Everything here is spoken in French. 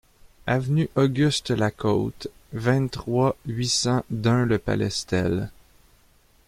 Avenue Auguste Lacote, vingt-trois, huit cents Dun-le-Palestel